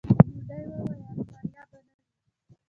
بوډۍ وويل ماريا به نه ځي.